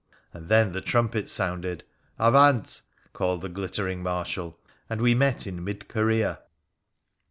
And then the trumpet sounded. ' Avant !' called the glittering marshal — and we met in mid career.